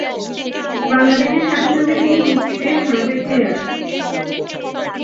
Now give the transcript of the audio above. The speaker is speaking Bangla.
বাংলাদেশের স্বাধীনতায় তিনি মুক্তি পেয়ে ভারতে ফিরে আসেন।